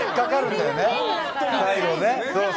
最後ね。